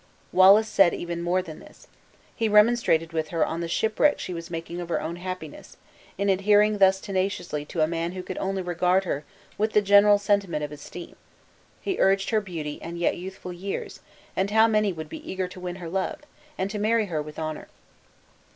Wallace said even more than this. He remonstrated with her on the shipwreck she was making of her own happiness, in adhering thus tenaciously to a man who could only regard her with the general sentiment of esteem. He urged her beauty and yet youthful years, and how many would be eager to win her love, and to marry her with honor.